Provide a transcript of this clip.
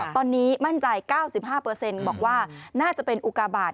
ตอนนี้มั่นใจ๙๕บอกว่าน่าจะเป็นอุกาบาท